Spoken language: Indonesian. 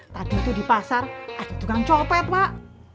tadi itu di pasar ada tukang copet pak